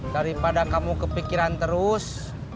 daripada kamu kepikiran terus